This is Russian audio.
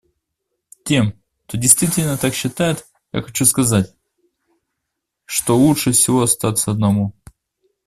Тем, кто действительно так считает, я хочу сказать, что лучше всего остаться одному.